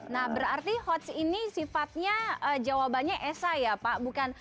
nah berarti hortz ini sifatnya jawabannya si ya pak